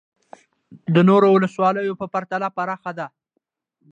د نورو ولسوالیو په پرتله پراخه ده